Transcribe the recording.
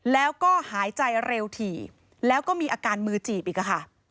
แล้วก็หายใจเร็วถี่แล้วก็มีอาการมือจีบอีกค่ะ